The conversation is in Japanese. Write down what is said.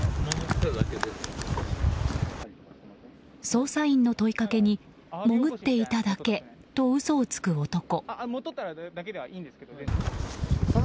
捜査員の問いかけに潜っていただけと嘘をつく男。